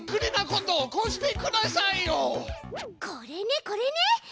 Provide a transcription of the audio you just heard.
これねこれね！